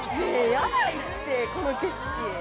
ヤバいってこの景色。